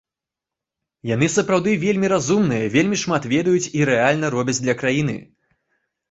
Яны сапраўды вельмі разумныя, вельмі шмат ведаюць і рэальна робяць для краіны.